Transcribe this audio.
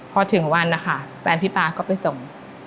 พอถึงวันนะคะแฟนพี่ป๊าก็ไปส่ง